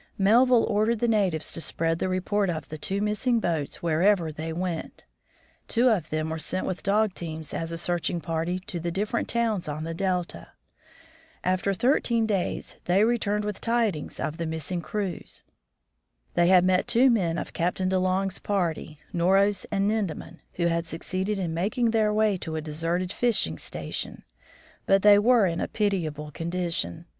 Melville ordered the natives to spread the report of the two missing boats wherever they went. Two of them were sent with dog teams as a searching party to the different towns on the delta. After thirteen days they returned with tidings of the missing crews. They had met two men of Captain De Long's party, Noros and Nindemann, who had succeeded in making their way to a deserted fishing station ; but they were in a pitiable condition.